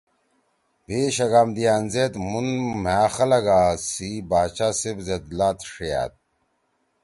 بھی شگام دیان زیت مھون مھا خلغا سی باچا صیب زید لات ݜیأت۔